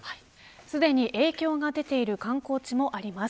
すでに影響が出ている観光地もあります。